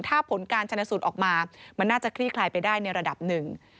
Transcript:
ถ้าผลการชนะสูตรออกมามันน่าจะคลี่คลายไปได้ในระดับหนึ่ง